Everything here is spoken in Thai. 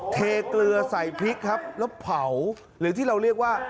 เกลือใส่พริกครับแล้วเผาหรือที่เราเรียกว่า